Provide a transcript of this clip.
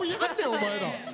お前ら。